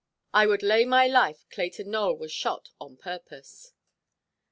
I would lay my life Clayton Nowell was shot on purpose."